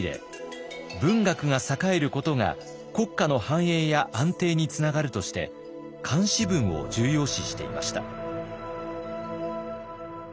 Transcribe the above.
文学が栄えることが国家の繁栄や安定につながるとして漢詩文を重要視していました。